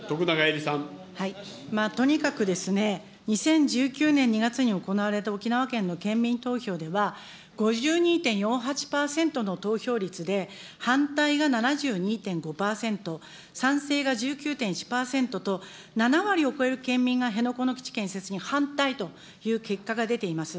とにかくですね、２０１９年２月に行われた沖縄県の県民投票では、５２．４８％の投票率で反対が７２．５％、賛成が１９．１％と、７割を超える県民が辺野古の基地建設に反対という結果が出ています。